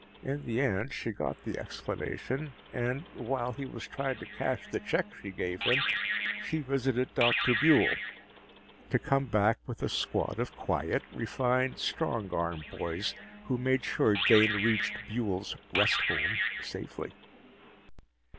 In the end, she got the explanation. And while he was trying to cash the check she gave him, she visited Dr. Buehl, to come back with a squad of quiet, refined strong arm boys who made sure Dane reached Buehl's "rest home" safely.